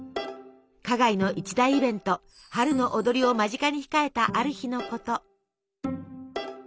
花街の一大イベント「春のをどり」を間近に控えたある日のこと。